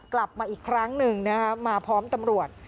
กลับมาอีกครั้งหนึ่งนะฮะมาพร้อมตำรวจ